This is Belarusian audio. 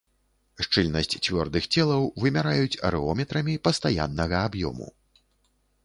Шчыльнасць цвёрдых целаў вымяраюць арэометрамі пастаяннага аб'ёму.